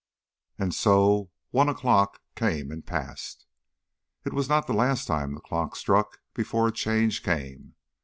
And so one o'clock came and passed. It was not the last time the clock struck before a change came.